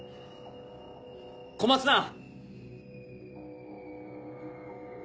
小松さん！